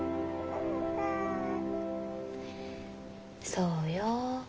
そうよ。